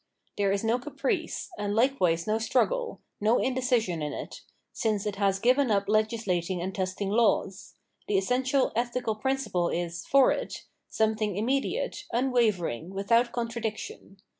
There i^ no caprice, and likewise no struggle, no indecision in it, since it has given up legislating and testing laws : the essential ethical principle is, for it, something immediate, unwavering, without contradiction.